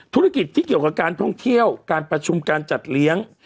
ธุรกิจที่เกี่ยวกับการท่องเที่ยวการประชุมการจัดเลี้ยง